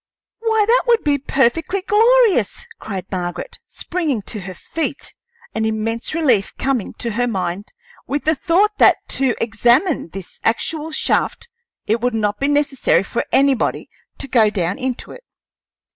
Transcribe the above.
"Why, that would be perfectly glorious!" cried Margaret, springing to her feet, an immense relief coming to her mind with the thought that to examine this actual shaft it would not be necessary for anybody to go down into it.